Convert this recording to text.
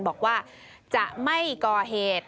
บอกว่าจะไม่ก่อเหตุ